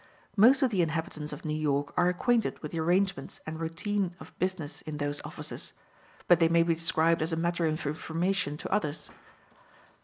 Most of the inhabitants of New York are acquainted with the arrangements and routine of business in those offices, but they may be described as a matter of information to others.